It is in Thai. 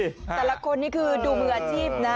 แต่ละคนนี่คือดูเหมือนจีบนะ